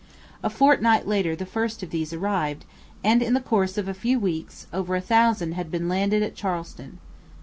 A fortnight later the first of these arrived, and in the course of a few weeks over a thousand had been landed at Charleston.